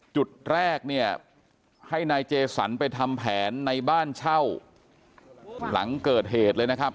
จุดแรกเนี่ยให้นายเจสันไปทำแผนในบ้านเช่าหลังเกิดเหตุเลยนะครับ